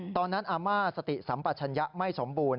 อาม่าสติสัมปัชญะไม่สมบูรณ